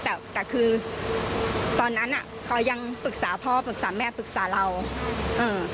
แต่แต่คือตอนนั้นอ่ะเขายังปรึกษาพ่อปรึกษาแม่ปรึกษาเราเออ